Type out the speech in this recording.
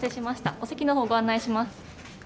お席のほうご案内します。